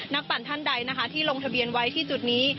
ปั่นท่านใดนะคะที่ลงทะเบียนไว้ที่จุดนี้